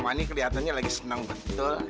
kamu ini kelihatannya lagi seneng betul